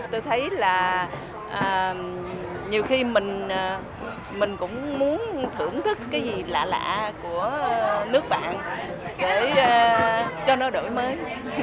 tôi thấy là nhiều khi mình cũng muốn thưởng thức cái gì lạ lạ của nước bạn để cho nó đổi mới